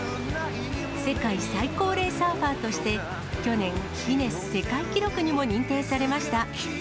世界最高齢サーファーとして、去年、ギネス世界記録にも認定されました。